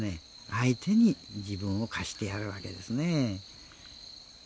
相手に自分を貸してやるわけですね。